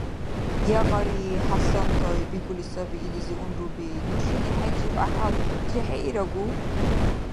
— Ягъари, ХӀясантай, — бикӀули саби илизи унруби, — нушани хӀечив гӀяхӀял чехӀеирагу?